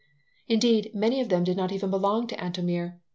Indeed, many of them did not even belong to Antomir.